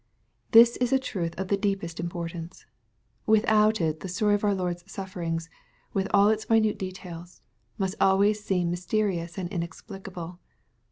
This is a truth of the deepest importance. Without it the story of our Lord's sufferings, with all its minute details, must always seem mysterious and inexplicable.